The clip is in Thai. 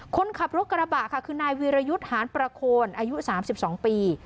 คนขับรถกระบะค่ะคือนายวีรยุทธ์หานประโคนอายุ๓๒ปี